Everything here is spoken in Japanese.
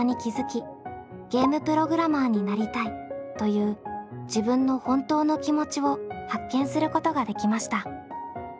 「ゲームプログラマーになりたい」という自分の本当の気持ちを発見することができました。